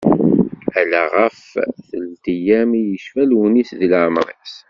Ala ɣef telt-yyam i yecfa Lewnis deg leɛmer-is.